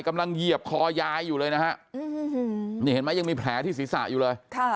เหยียบคอยายอยู่เลยนะฮะนี่เห็นไหมยังมีแผลที่ศีรษะอยู่เลย